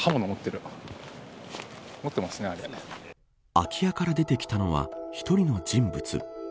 空き家から出てきたのは１人の人物。